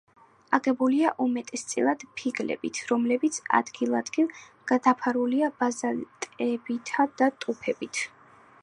აგებულია უმეტესწილად ფიქლებით, რომლებიც ადგილ-ადგილ დაფარულია ბაზალტებითა და ტუფებით.